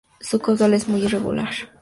Su caudal es muy irregular.